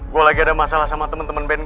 gue lagi ada masalah sama temen temen band gue